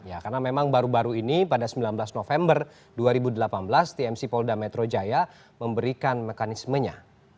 ya karena memang baru baru ini pada sembilan belas november dua ribu delapan belas tmc polda metro jaya memberikan mekanismenya